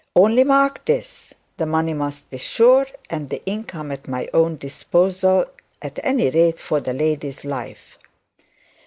Only mark this: the money must be sure, and the income at my own disposal, at any rate for the lady's life.'